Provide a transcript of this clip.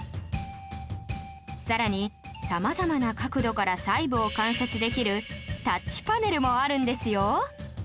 さらに様々な角度から細部を観察できるタッチパネルもあるんですよ